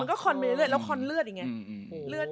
แล้วก็คอนไปเรื่อยแล้วคอนเลือดอีกไง